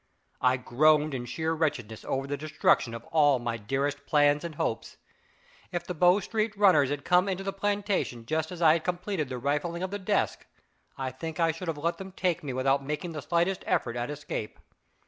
I groaned in sheer wretchedness over the destruction of all my dearest plans and hopes. If the Bow Street runners had come into the plantation just as I had completed the rifling of the desk I think I should have let them take me without making the slightest effort at escape.